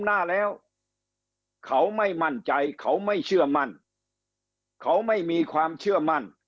หน้าแล้วเขาไม่มั่นใจเขาไม่เชื่อมั่นเขาไม่มีความเชื่อมั่น